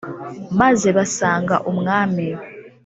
maze basanga umwami